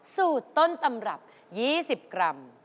สูตรต้นตำรับ๒๐กรัม